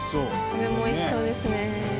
これも美味しそうですね。